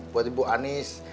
buat ibu anis